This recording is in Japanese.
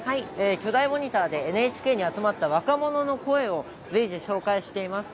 巨大モニターでＮＨＫに集まった若者の声を随時、紹介しています。